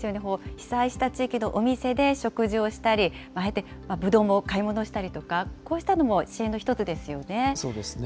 被災した地域のお店で食事をしたり、ああやってぶどうの買い物をしたりとか、こうしたのも支援の１つそうですね。